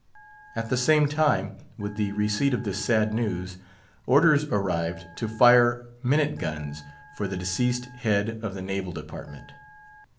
At the same time with the receipt of this sad news, orders arrived to fire minute guns for the deceased head of the naval department.